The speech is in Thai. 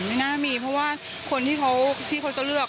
ไม่น่ามีเพราะว่าคนที่เขาจะเลือก